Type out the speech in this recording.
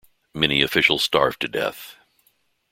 Many officials starved to death.